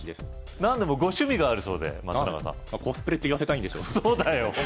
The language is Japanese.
なんでもご趣味があるそうで松永さんコスプレって言わせたいんでしょそうだよ